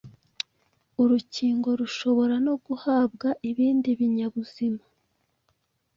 Urukingo rushobora no guhabwa ibindi binyabuzima.